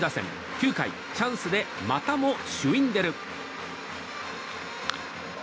９回、チャンスでまたもシュウィンデル。